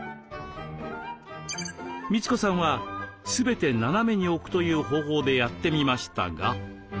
みち子さんは全て斜めに置くという方法でやってみましたが。